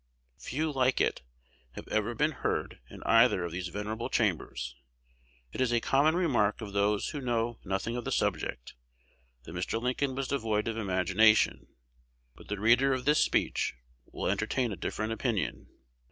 Few like it have ever been heard in either of those venerable chambers. It is a common remark of those who know nothing of the subject, that Mr. Lincoln was devoid of imagination; but the reader of this speech will entertain a different opinion.